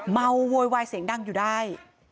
โวยวายเสียงดังอยู่ได้